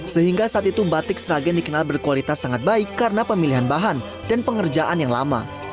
sehingga saat itu batik sragen dikenal berkualitas sangat baik karena pemilihan bahan dan pengerjaan yang lama